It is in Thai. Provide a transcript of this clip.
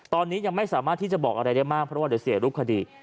ตอนนี้ยังไม่สามารถที่จะบอกอะไรได้มากเพราะว่าเดี๋ยวเสียรูปคดี